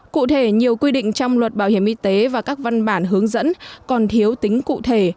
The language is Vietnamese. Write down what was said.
cụ thể nhiều quy định trong luật bảo hiểm y tế và các văn bản hướng dẫn còn thiếu tính cụ thể